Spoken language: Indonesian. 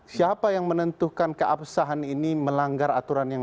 siapa yang menentukan keabsahan ini melanggar atau tidak